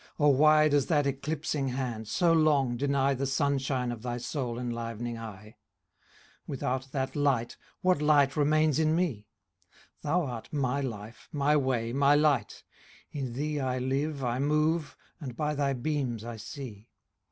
O why Does that eclipsing hand so long deny The sunshine of thy soul enlivening eye ? Without that light, what light remains in me ? Thou art my life, my way, my light ; in thee I live, I move, and by thy beams I see.